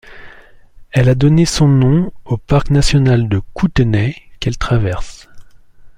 Elle a donné son nom au Parc national de Kootenay qu'elle traverse.